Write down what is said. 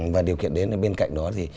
và điều kiện đến bên cạnh đó thì